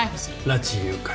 拉致誘拐。